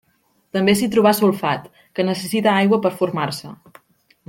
També s'hi trobà sulfat, que necessita aigua per formar-se.